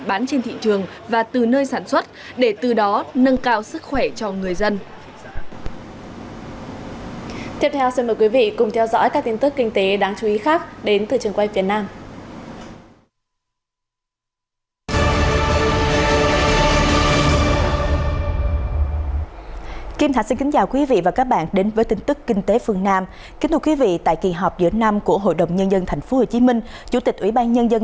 bán trên thị trường và từ nơi sản xuất để từ đó nâng cao sức khỏe cho người dân